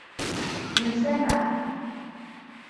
Nemsamaḥ.